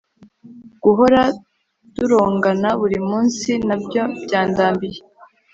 guhora durongana buri munsi nabyo byandambiye.